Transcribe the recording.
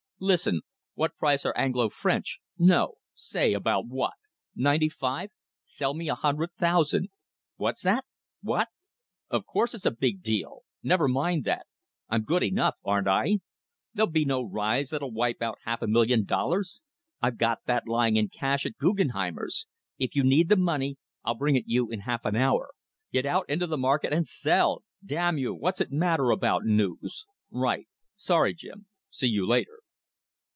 Listen. What price are Anglo French?... No, say about what?... Ninety five?... Sell me a hundred thousand.... What's that?... What?... Of course it's a big deal! Never mind that. I'm good enough, aren't I? There'll be no rise that'll wipe out half a million dollars. I've got that lying in cash at Guggenheimer's. If you need the money, I'll bring it you in half an hour. Get out into the market and sell. Damn you, what's it matter about news! Right! Sorry, Jim. See you later."